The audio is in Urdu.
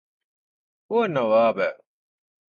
وہ نواب ہے